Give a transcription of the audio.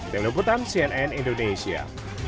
dari lumputan cnn indonesia